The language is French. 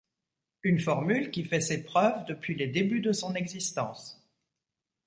Une formule qui fait ses preuves depuis les débuts de son existence.